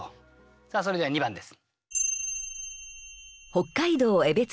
さあそれでは２番です。